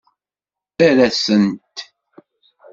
Err-asent.